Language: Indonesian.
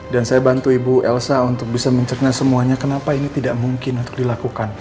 dan saya bantu ibu elsa untuk bisa mencerna semuanya kenapa ini tidak mungkin untuk dilakukan